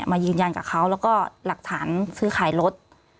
มายืนยันกับเขาแล้วก็หลักฐานซื้อขายรถ